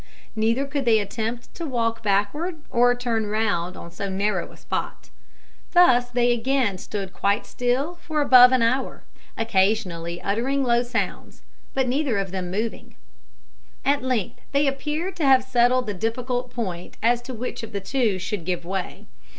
Neither could they attempt to walk backward or turn round on so narrow a spot. Thus they again stood quite still for above an hour, occasionally uttering low sounds, but neither of them moving. At length they appeared to have settled the difficult point as to which of the two should give way.